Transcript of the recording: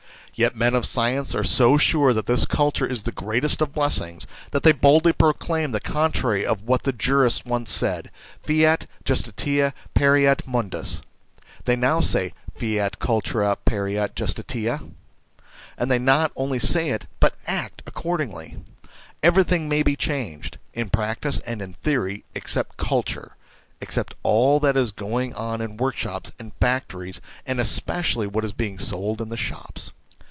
Yet men of science are so sure that this culture is the greatest of blessings, that they boldly proclaim the contrary of what the jurists once said : fiat justitia, pereat mundus. 1 They now say : fiat cultura, pereat justitia? And they not only say it, but act accordingly. Everything may be changed, in practice and in theory, except culture, except all that is going on in workshops and factories, and especially what is being sold in the shops.